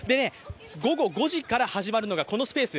午後５時から始まるのがこのスペース。